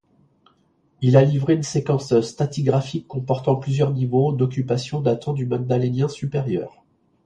Il a livré une séquence stratigraphique comportant plusieurs niveaux d'occupation datant du Magdalénien supérieur.